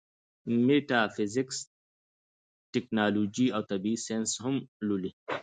ميټافزکس ، تيالوجي او طبعي سائنس هم ولولي